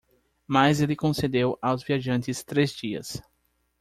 Mas ele concedeu aos viajantes três dias.